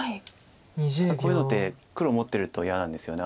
ただこういうのって黒持ってると嫌なんですよね。